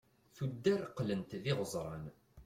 tuddar qlent d iɣeẓran